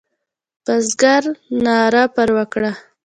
بزګر ناره پر وکړه.